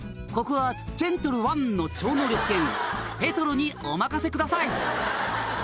「ここはジェントルワンの超能力犬ペトロにお任せください！」